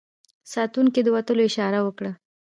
ساتونکو د وتلو اشاره وکړه.